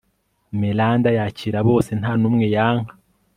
meranda yakira bose nta n'umwe yanka